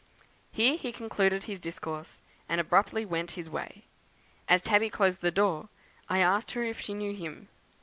"Here he concluded his discourse, and abruptly went his way. As Tabby closed the door, I asked her if she knew him.